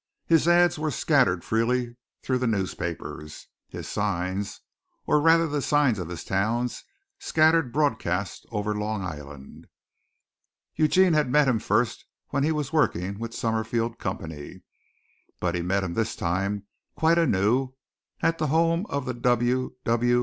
His ads were scattered freely through the newspapers: his signs, or rather the signs of his towns, scattered broadcast over Long Island. Eugene had met him first when he was working with the Summerfield Company, but he met him this time quite anew at the home of the W. W.